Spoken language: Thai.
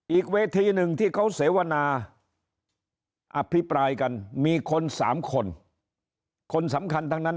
อีกเวทีหนึ่งที่เขาเสวนาอภิปรายกันมีคนสามคนคนสำคัญทั้งนั้น